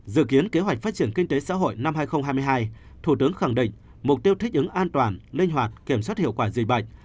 dự kiến kế hoạch phát triển kinh tế xã hội năm hai nghìn hai mươi hai thủ tướng khẳng định mục tiêu thích ứng an toàn linh hoạt kiểm soát hiệu quả dịch bệnh